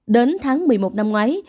đến tháng một mươi một năm ngoái